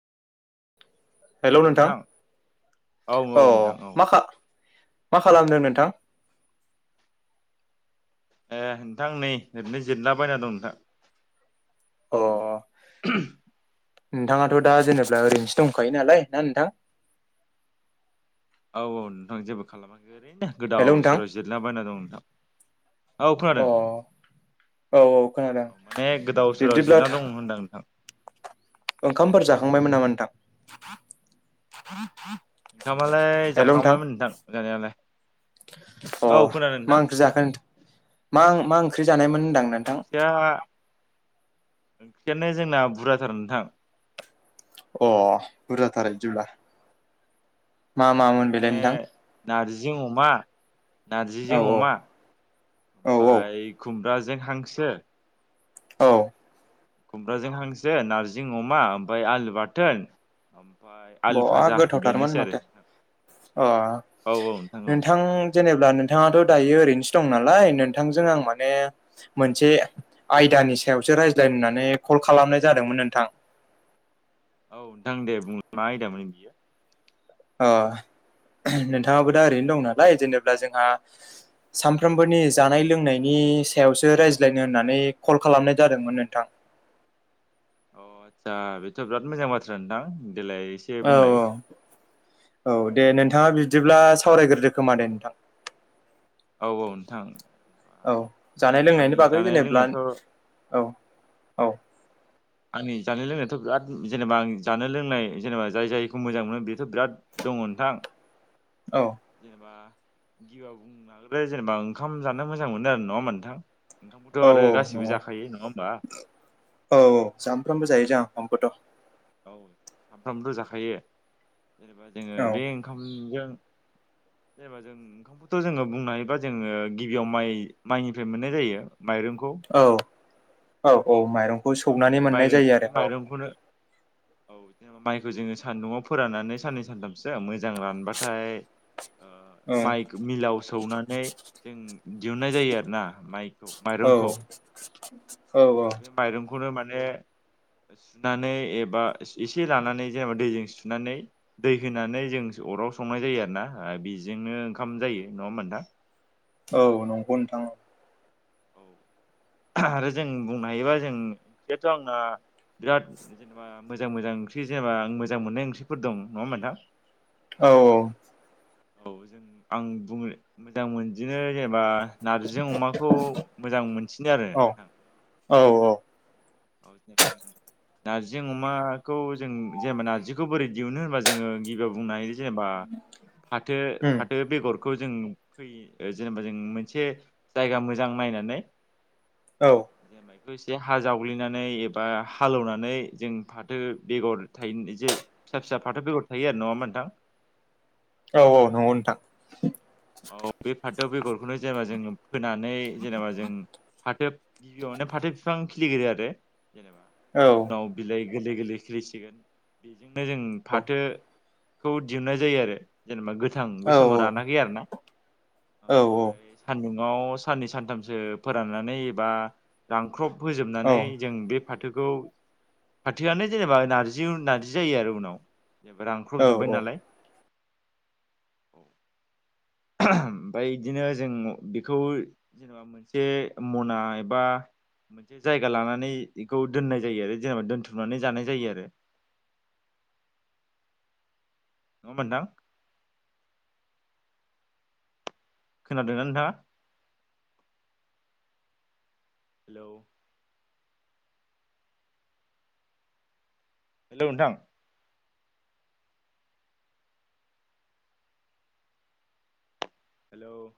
Hello नोंथां औ अ नोंथां औ मा खा मा खालामदों नोंथां ए नोंथां नै ओरैनो जिरायलाबायना दं नोंथां अ [unintelligible] [inaudible] नोंथाङाथ' दा जेनेबा ओरैनोसो दंखायो नालाय ना नोंथां औ औ नोंथां जेबो खालामाखै। ओरैनो गोदाव हेलौ नोंथां सोराव जिरायला बायना दं नोंथां औ अ खोनादों। औ औ खोनादों माने गोदाव सोराव बिब्दिब्ला जिरायना दं होनदां नोंथां। ओंखामफोर जाखांबायमोन नामा नोंथां? ओंखामालाय जाखांबायमोन नोंथां जानायालाय अ औ खोनादों मा नोंथां ओंख्रि जाखो नों मा मा ओंख्रि जानायमोन? होनदां नोंथां ओंख्रिया ओंख्रियानो जोंना बुरजाथार नोंथां। अ बुरजाथार बिदिब्ला मा मामोन बेलाय नोंथां? नार्जिजों अमा औ नार्जिजों अमा औ औ औ ओमफ्राय खुम खुमब्राजों हांसो। औ खुमब्राजों हांसो नार्जि अमा ओमफ्राय आलु बाथोन- ओमफ्राय आलु बहा फाजा गोथावथारमोन बेनोसै आरो माथो अ औ औ औ नोंथां जेनेबा नोंथाङाथ' दायो ओरैनोसो दं नालाय नोंथांजों आं माने मोनसे आयदानि सायावसो रायज्लाय होननानै कल खालामनाय जादोंमोन नोंथां औ नोंथां दे बुंलाय आयदामोन बियो अ नोंथाङाबो दा ओरैनो दं नालाय जेनेब्ला जोंहा सानफ्रोमबोनि जानाय लोंनायनि सायावसो रायज्लायनो होननानै कल खालामनाय जादोंमोन नोंथां [inaudible] अ आतसा बेथ' बिराद मोजां बाथ्रा नोंथां देेलाय एसे औ बुंलाय औ दे नोंथाङा बिदिब्ला सावरायग्रोदो खोमा दे नोंथां। औ औ नोंथां। औ जानाय आंनि लोंनायनि बागै जानाय जेनेब्ला लोंनायाथ' औ औ। आंनि जानाय लोंनायाथ' बिराद जेनेबा आं जानो लोंनाय जेनेबा जाय जायखौ मोजां मोनो बेथ' बिराद दङ नोंथां औ जेनेबा गिउआ [unintelligible] जेनेबा ओंखाम जानो मोजां मोनो आरो नङा होनबा नोंथां ओंखामबोथ' औ आरो गासिबो नंगौ जाखायो नङा होमबा सामफ्रामबो जायो जोंहा ओंखामखो थ'। औ सामफ्रामबो जाखायो जेनेबा जोंङो औ बे ओंखामजों [inaudible] जेनेबा जों ओंखामखौथ' जोंङो बुंनो हायोबा जोंङो गिबियाव माइ- माइनिफ्राय मोननाय जायो माइरंखौ औ औ- औ माइरंखौ ओ सौनानै बिनि मोननाय माइरं जायो बे आरो औ माइरंखौनो [inaudible] औ माइखौ जोङो सान्दुंआव फोराननानै साननै सानथामसो मोजां रानबाथाय औ माइ मिलाव सौनानै जों दिहुननाय जायो आरो ना माइ औ। औ बे माइरंखौनो माने सुनानै एबा एसे लानानै जेनेबा दैजों सुनानै दै होनानै जों अराव संनाय जायो आरो ना बेजोंनो ओंखाम जायो नङा होनबा नोंथां औ नंगौ नोंथां औ आरो जों बुंनो हायोबा जों किनथु आंना बिराद जेनेबा मोजां - मोजां ओंख्रि जेनेबा आं मोजां मोननाय ओंख्रिफोर दं नङा होनबा नोंथां औ- औ औ जों आं बुंनो मोजां [unintelligible] दिनो जेनेबा नारजिजों अमाखौ मोजां मोनसिनो आरो। औ औ औ। [unintelligible] नार्जि अमाखौ जों जेबेना जिखौ बोरै दिहुनो होनबा जोङो गिबियाव बुंनो हायो जेनेबा [inaudible] फाथो उम फाथो बेगर खौ जों फै जेनेबा जों मोनसे जायगा मोजां नायनानै औ [unintelligible] एसे हाजाव [unintelligible] ग्लिनानै एबा हालेवनानै जों फाथो बेगर थायो जे फिसा फिसा फाथो बेगर थायो आरो नङामोनोंथां औ औ नंगौ नोंथां औ बे फाथो बेगरखौनो जेनेबा जों फोनानै जेनेबा जों फाथो गिबियाव फाथो बिफां खिलिग्रोयो आरो औ जेनेबा उनाव बिलाइ गोरलै गोरलै खिलिसिगोन बेजोंनो जों औ फाथो खौ दिहुननाय जायो आरो जेनेबा गोथां औ बै समाव रानाखै आरो ना ओमफ्राय सान्दुं आव साननै सानथामसो फोराननानै एबा रांख्रब औ फोजोबनानै जों बे फाथोखौ फाथोआनो जेनेबा नारजि नार्जि जायो आरो उनाव जेनेबा औ रानख्रबजोब्बाय औ नालाय [inaudible] [inaudible] ओमफ्राय इदिनो जों बेखौ जेनेबा मोनसे मना एबा मोनसे जायगा लानानै बेखौ दोननाय जायो आरो जेनेबा दोनथुमनानै जानाय जायो आरो [inaudible] नंङा होमबा नोंथां खोनादोंना नोंथांङा? हेल' हेल' नोंथां हेल'